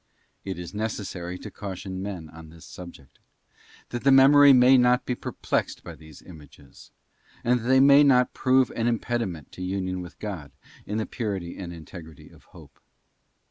It is necessary to caution men on this subject: that the memory may not be perplexed by these images, and that they may not prove an impediment to union with God in the purity and integrity of Hope.